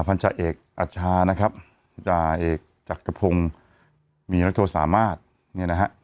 พันธาเอกอัชชานะครับจ่าเอกจักรพงศ์มีรัฐโทสามารถเนี่ยนะฮะ